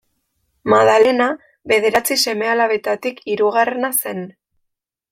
Madalena bederatzi seme-alabetatik hirugarrena zen.